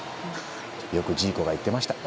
よくジーコが言っていました。